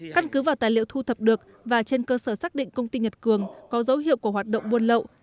căn cứ vào tài liệu thu thập được và trên cơ sở xác định công ty nhật cường có dấu hiệu của hoạt động buôn lậu